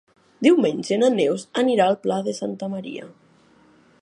Diumenge na Neus anirà al Pla de Santa Maria.